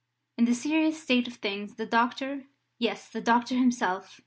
In this serious state of things, the doctor yes, the doctor himself!